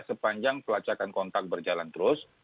sepanjang pelacakan kontak berjalan terus